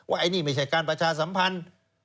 ไอ้นี่ไม่ใช่การประชาสัมพันธ์